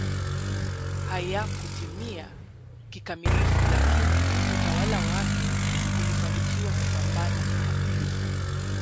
hayakutimia kikamilifu lakini utawala wake ulifanikiwa kupambana kikamilifu